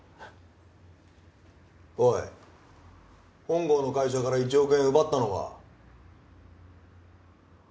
おい本郷の会社から１億円奪ったのは？